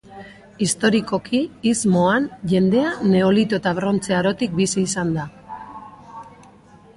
Historikoki, istmoan, jendea, Neolito eta Brontze Arotik bizi izan da.